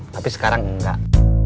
tapi sekarang enggak